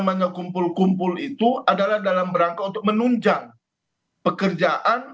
namanya kumpul kumpul itu adalah dalam rangka untuk menunjang pekerjaan